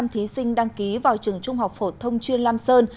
chín trăm linh thí sinh đăng ký vào trường trung học phổ thông chuyên lam sơn